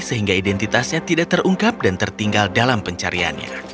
sehingga identitasnya tidak terungkap dan tertinggal dalam pencariannya